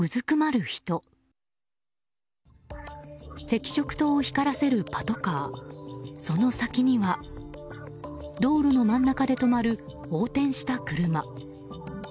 赤色灯を光らせるパトカーその先には道路の真ん中で止まる横転した車。